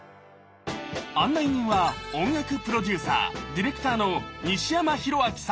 案内人は音楽プロデューサーディレクターの西山宏明さん。